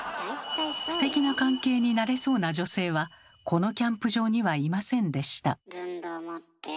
ステキな関係になれそうな女性はこのキャンプ場にはいませんでした。